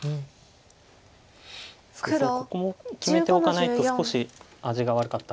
ここも決めておかないと少し味が悪かった。